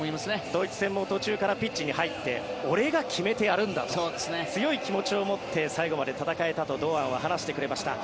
ドイツ戦も途中からピッチに入って俺が決めてやるんだと強い気持ちを持って最後まで戦えたと堂安は話してくれました。